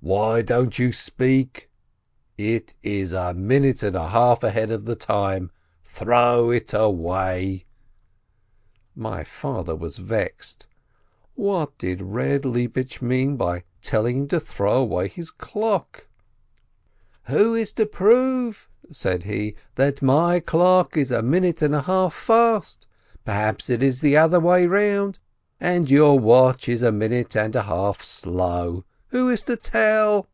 Why don't you speak ? It is a minute and a half ahead of the time ! Throw it away !" My father was vexed. What did Eeb Lebish mean by telling him to throw away his clock? "Who is to prove," said he, "that my clock is a minute and a half fast ? Perhaps it is the other way about, and your watch is a minute and a half slow? Who is to tell?"